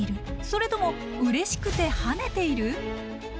それともうれしくて跳ねている？